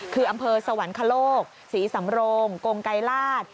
คืออำเภอสวรรคโลกศรีสำโรงกงไกรราช